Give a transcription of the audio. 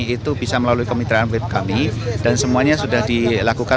itu bisa melalui kemitraan web kami dan semuanya sudah dilakukan